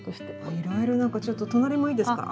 いろいろ何かちょっと隣もいいですか？